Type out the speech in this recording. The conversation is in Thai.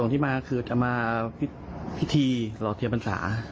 ที่มาคือจะมาพิธีหล่อเทียนพรรษา